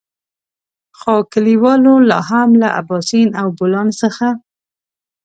خو کليوالو لاهم له اباسين او بولان څخه.